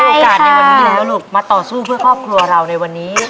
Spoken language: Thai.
โอกาสในวันนี้แล้วลูกมาต่อสู้เพื่อครอบครัวเราในวันนี้